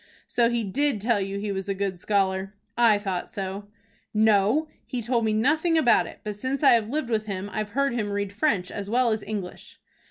"So he did tell you he was a good scholar? I thought so." "No, he told me nothing about it; but since I have lived with him I've heard him read French as well as English."